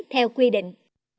theo quy định